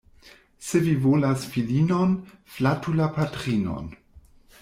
Se vi volas filinon, flatu la patrinon.